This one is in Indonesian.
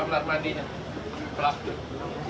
di kamar mandinya